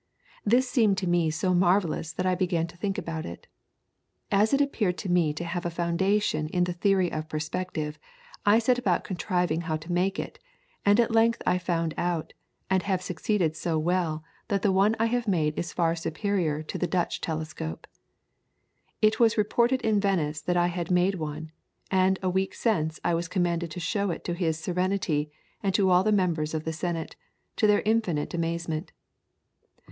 This seemed to me so marvellous that I began to think about it. As it appeared to me to have a foundation in the Theory of Perspective, I set about contriving how to make it, and at length I found out, and have succeeded so well that the one I have made is far superior to the Dutch telescope. It was reported in Venice that I had made one, and a week since I was commanded to show it to his Serenity and to all the members of the senate, to their infinite amazement.